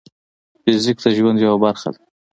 فزیک د ژوند یوه برخه ده.